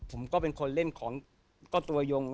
ผมก็เป็นคนเล่นของเจ้าตัวยง